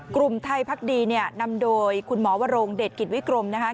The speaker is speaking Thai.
กลุ่มไทยพักดีเนี่ยนำโดยคุณหมอวรงเดชกิจวิกรมนะคะ